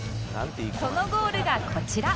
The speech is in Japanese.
そのゴールがこちら